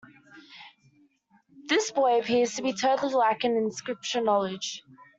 This boy appears to be totally lacking in Scripture knowledge.